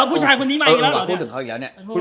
คุณพูดถึงเขาอยู่แล้วเนี้ย